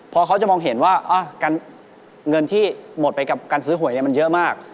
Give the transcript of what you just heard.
พอเขาจะมองเห็นว่าเงินที่หมดไปกับการซื้อหวยมันเยอะมาก